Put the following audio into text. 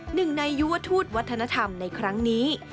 หนึ่งในยุวทูตวัฒนธรรมในครั้งนี้